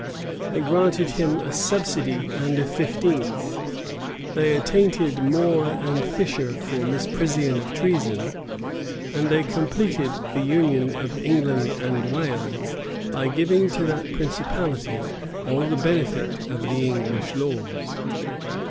They granted him a subsidy and a fifteenth. They attainted More and Fisher for misprision of treason. And they completed the union of England and Wales, by giving to that principality all the benefit of the English laws.